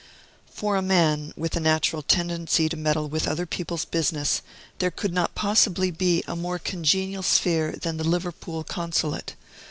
For a man, with a natural tendency to meddle with other people's business, there could not possibly be a more congenial sphere than the Liverpool Consulate.